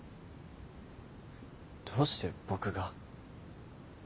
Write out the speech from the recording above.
どうして僕が？